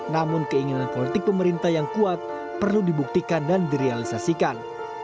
namun keinginan politik pemerintah yang kuat perlu dibuktikan dan direalisasikan